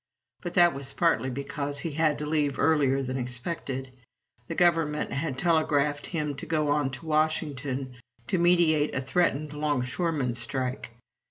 But that was partly because he had to leave earlier than expected. The Government had telegraphed him to go on to Washington, to mediate a threatened longshoremen's strike.